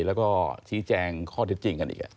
แล้วก็ชี้แจงข้อเท็จจริงกันอีก